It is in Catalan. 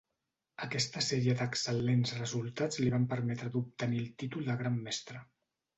Aquesta sèrie d'excel·lents resultats li varen permetre d'obtenir el títol de Gran Mestre.